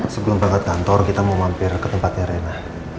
sebelum berangkat kantor kita mau mampir ke tempatnya reina